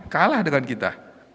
kalah dengan kita